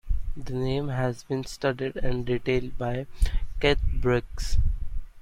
The name has been studied in detail by Keith Briggs.